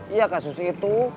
iya kasus itu